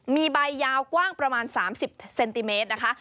มีใบยาวกว้างประมาณ๓๐เซนติเมตรนะคะ